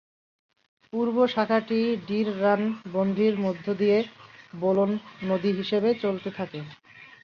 পূর্ব শাখাটি ডিররানবন্দির মধ্য দিয়ে বালোন নদী হিসাবে চলতে থাকে।